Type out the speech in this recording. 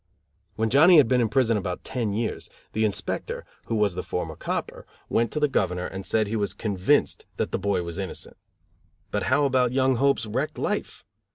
When Johnny had been in prison about ten years, the inspector, who was the former copper, went to the Governor, and said he was convinced that the boy was innocent. But how about young Hope's wrecked life?